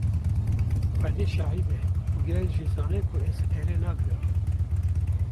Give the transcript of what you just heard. Xwedê şahîd e û gel jî zane ku ez pere nagrim.